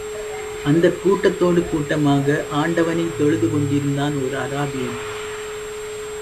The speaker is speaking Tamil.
அந்தக் கூட்டத்தோடு கூட்டமாக ஆண்டவனைத் தொழுது கொண்டிருந்தான் ஓர் அராபியன்.